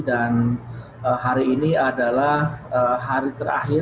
dan hari ini adalah hari terakhir